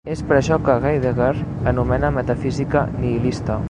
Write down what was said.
És per això que Heidegger anomena metafísica nihilista.